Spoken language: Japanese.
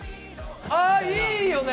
あいいよね！